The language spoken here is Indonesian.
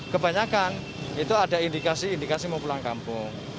kebanyakan itu ada indikasi indikasi mau pulang kampung